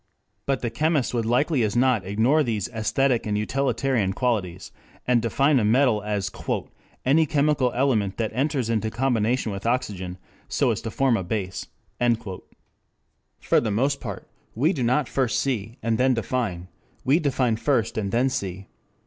But the chemist would likely as not ignore these esthetic and utilitarian qualities, and define a metal as "any chemical element that enters into combination with oxygen so as to form a base." For the most part we do not first see, and then define, we define first and then see.